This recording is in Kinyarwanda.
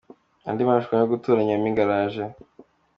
Andi marushanwa yo gutora Nyampinga araje